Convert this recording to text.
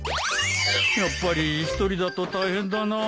やっぱり一人だと大変だなあ。